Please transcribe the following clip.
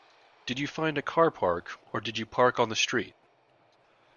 Did you find a car park, or did you park on the street?